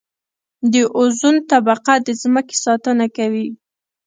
د اوزون طبقه د ځمکې ساتنه کوي